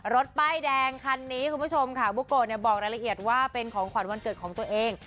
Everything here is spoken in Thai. รถป้ายแดงคันนี้คุณผู้ชมค่ะบุโกะเนี่ยบอกรายละเอียดว่าเป็นของขวัญวันเกิดของตัวเอง